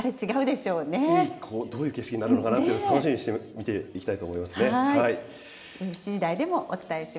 どういう景色になるのかなって、楽しみにして見ていきたいと思いますね。